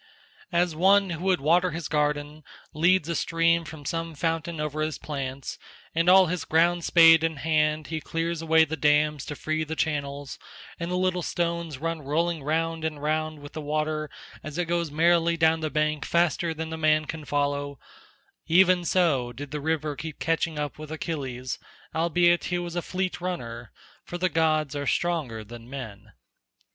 As one who would water his garden leads a stream from some fountain over his plants, and all his ground—spade in hand he clears away the dams to free the channels, and the little stones run rolling round and round with the water as it goes merrily down the bank faster than the man can follow—even so did the river keep catching up with Achilles albeit he was a fleet runner, for the gods are stronger than men.